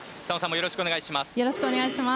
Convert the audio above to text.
よろしくお願いします。